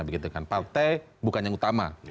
begitu kan partai bukan yang utama